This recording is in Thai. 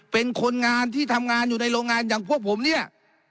เป็นคนงานที่ทำงานอยู่ในโรงงานอย่างพวกผมเนี่ย